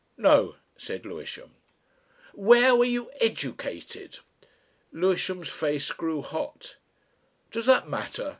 "No," said Lewisham. "Where were you educated?" Lewisham's face grew hot. "Does that matter?"